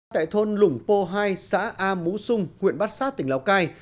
tại thôn lủng pô hai xã a mú sung huyện bát sát tỉnh lào cai